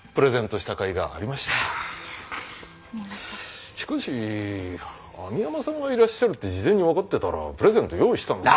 しかし網浜さんがいらっしゃるって事前に分かってたらプレゼント用意したのに。